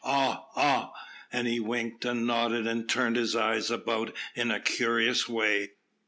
Ah, ah!" And he winked and nodded and turned his eyes about in a curious way.